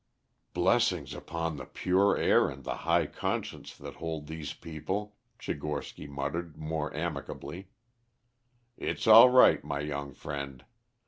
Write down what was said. "Blessings upon the pure air and the high conscience that hold these people," Tchigorsky muttered more amicably. "It's all right, my young friend.